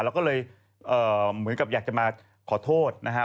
แล้วก็เลยเหมือนกับอยากจะมาขอโทษนะฮะ